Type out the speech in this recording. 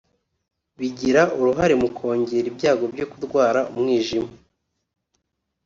bigira uruhare mu kongera ibyago byo kurwara umwijima